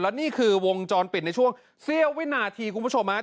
และนี่คือวงจรปิดในช่วงเสี้ยววินาทีคุณผู้ชมฮะ